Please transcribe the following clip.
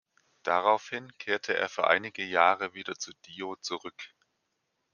Daraufhin kehrte er für einige Jahre wieder zu Dio zurück.